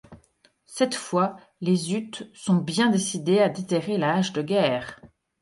Cette fois, les Utes sont bien décidés à déterrer la hache de guerre.